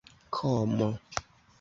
komo